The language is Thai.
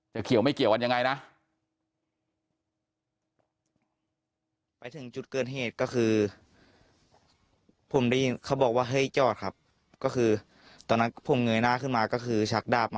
แต่เขี่ยวไม่เกี่ยวว่ายังไงนะ